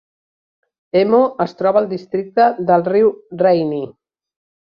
Emo es troba al districte del riu Rainy.